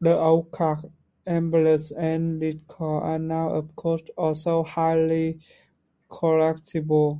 The old cards, emblems, and discs are now, of course, also highly collectible.